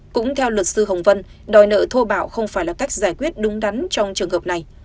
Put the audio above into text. cũng theo luật sư hồng vân đòi nợ thô bạo không phải là cách giải quyết đúng đắn trong trường hợp này